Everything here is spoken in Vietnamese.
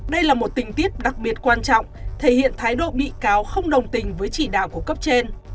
đây là một tình tiết đặc biệt quan trọng thể hiện thái độ bị cáo không đồng tình với chỉ đạo của cấp trên